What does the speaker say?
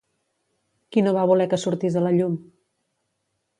Qui no va voler que sortís a la llum?